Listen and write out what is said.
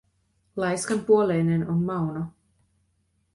Laiskanpuoleinen on Mauno.